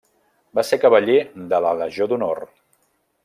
Va ser cavaller de la Legió d'Honor.